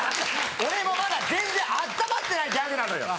俺もまだ全然温まってないギャグなのよ。